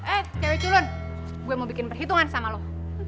eh cewek duluan gue mau bikin perhitungan sama lo